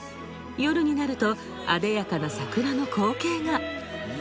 夜になるとあでやかな桜の光景が。